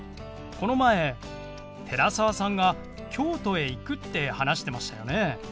この前寺澤さんが京都へ行くって話してましたよね。